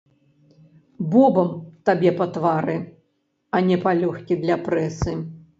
Ботам табе па твары, а не палёгкі для прэсы!